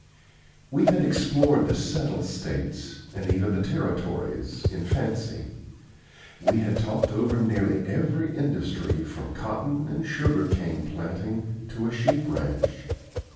We had explored the settled States, and even the Territories, in fancy; we had talked over nearly every industry from cotton and sugarcane planting to a sheep ranch.